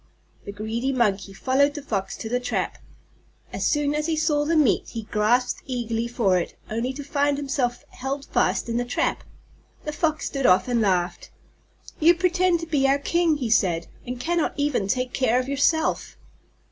The greedy Monkey followed the Fox to the trap. As soon as he saw the meat he grasped eagerly for it, only to find himself held fast in the trap. The Fox stood off and laughed. "You pretend to be our king," he said, "and cannot even take care of yourself!"